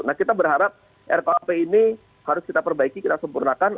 nah kita berharap rkuhp ini harus kita perbaiki kita sempurnakan